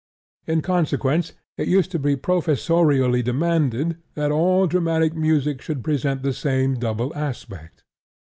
In consequence, it used to be professorially demanded that all dramatic music should present the same double aspect.